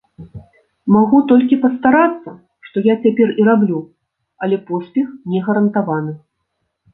Магу толькі пастарацца, што я цяпер і раблю, але поспех не гарантаваны.